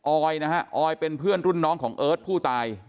ออยนะฮะออยเป็นเพื่อนรุ่นน้องของเอิร์ทผู้ตาย